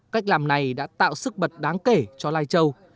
cách làm này đã tạo sức bật đáng kể cho lai châu